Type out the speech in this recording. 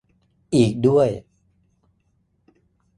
อีกด้วย